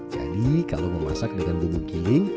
jadi kalau memasak dengan bubu giling